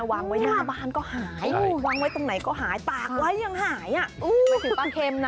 วางไว้หน้าบ้านก็หายวางไว้ตรงไหนก็หายตากไว้ยังหายหมายถึงปลาเข็มนะ